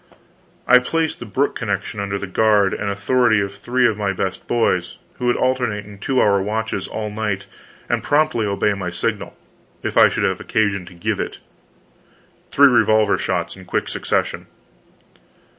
I placed the brook connection under the guard and authority of three of my best boys, who would alternate in two hour watches all night and promptly obey my signal, if I should have occasion to give it three revolver shots in quick succession.